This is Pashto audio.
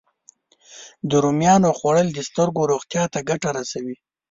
د رومیانو خوړل د سترګو روغتیا ته ګټه رسوي